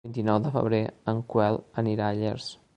El vint-i-nou de febrer en Quel anirà a Llers.